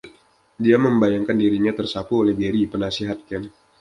Dia membayangkan dirinya tersapu oleh Gary, penasihat kamp.